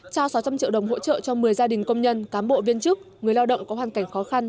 trao sáu trăm linh triệu đồng hỗ trợ cho một mươi gia đình công nhân cán bộ viên chức người lao động có hoàn cảnh khó khăn